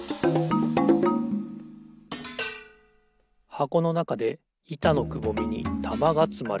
はこのなかでいたのくぼみにたまがつまれる。